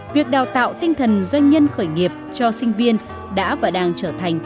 việc đào tạo tinh thần doanh nhân khởi nghiệp cho sinh viên đã và đang trở thành